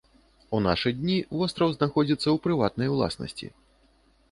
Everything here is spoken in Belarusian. У нашы дні востраў знаходзіцца ў прыватнай уласнасці.